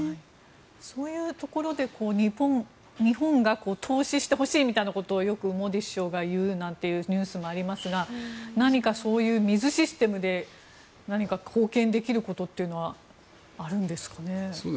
そういうところで日本が投資してほしいみたいなことをモディ首相がよく言うみたいなニュースもありますが何かそういう水システムで何か貢献できることというのはあるんですかね。